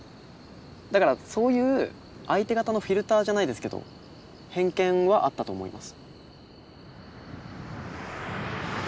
だからそういう相手方のフィルターじゃないですけど偏見はあったと思います。